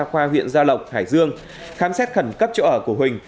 trong thời gian qua huyện gia lộc hải dương khám xét khẩn cấp chỗ ở của huỳnh